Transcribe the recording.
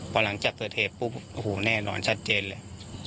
พอหลังจากเกิดเหตุปุ๊บโอ้โหแน่นอนชัดเจนเลย